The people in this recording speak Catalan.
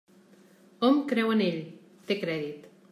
Hom creu en ell; té crèdit.